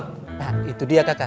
nah itu dia kakak